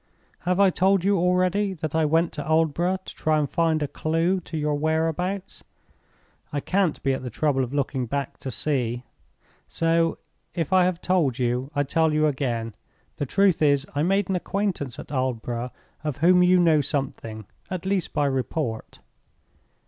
"Have I told you already that I went to Aldborough to try and find a clue to your whereabouts? I can't be at the trouble of looking back to see; so, if I have told you, I tell you again. The truth is, I made an acquaintance at Aldborough of whom you know something—at least by report.